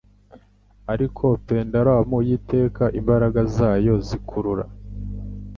Ariko pendulum y'iteka imbaraga zayo zikurura